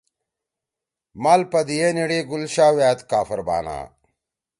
مال پدیِئے نھیِڑی گُل شاہ وأد کافر بانا